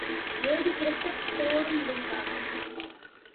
ஏடு கிடக்கத் தோடு முடைந்தாளாம்.